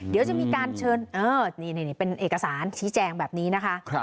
เดี๋ยวจะมีการเชิญนี่เป็นเอกสารชี้แจงแบบนี้นะคะ